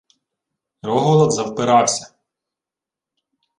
Рогволод завпирався: